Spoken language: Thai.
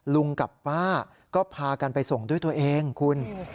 ลุงกับป้าก็พากันไปส่งด้วยตัวเองคุณ